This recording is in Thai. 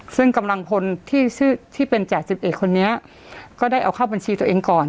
ซึ่งกำลังพลที่เป็นจ่าสิบเอกคนนี้ก็ได้เอาเข้าบัญชีตัวเองก่อน